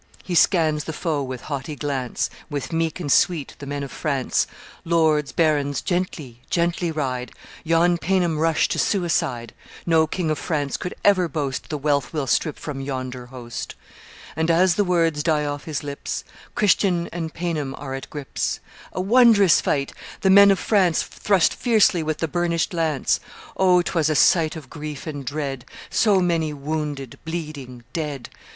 He scans the foe with haughty glance, With meek and sweet the men of France 'Lords barons, gently, gently ride; Yon Paynim rush to suicide; No king of France could ever boast The wealth we'll strip from yonder host.' And as the words die off his lips, Christian and Paynim are at grips. "A wondrous fight! The men of France Thrust fiercely with the burnished lance! O, 'twas a sight of grief and dread, So many wounded, bleeding, dead!